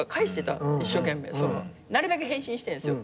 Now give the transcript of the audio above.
なるべく返信してんすよ。